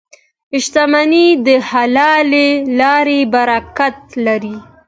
• شتمني د حلالې لارې برکت لري.